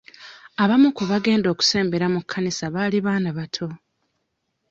Abamu ku baagenda okusembera mu kkanisa baali baana bato.